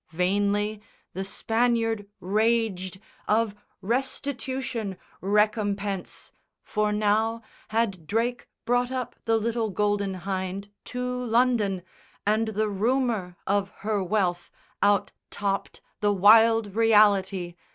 Vainly the Spaniard raged Of restitution, recompense; for now Had Drake brought up the little Golden Hynde To London, and the rumor of her wealth Out topped the wild reality.